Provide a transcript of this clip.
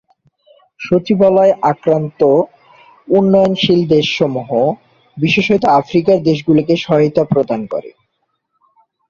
সচিবালয় আক্রান্ত উন্নয়নশীল দেশসমূহ, বিশেষত আফ্রিকার দেশগুলিকে সহায়তা প্রদান করে।